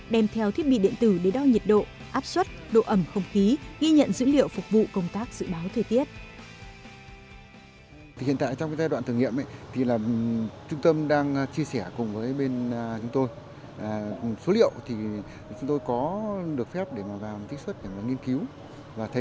đem theo thiết bị điện tử để đo nhiệt độ áp suất độ ẩm không khí